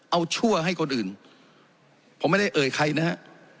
เอาชั่วให้คนอื่นผมไม่ได้เอ่ยใครนะฮะ